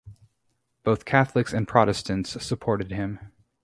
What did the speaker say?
Both Catholics and Protestants supported him.